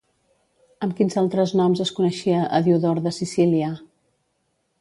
Amb quins altres noms es coneixia a Diodor de Sicília?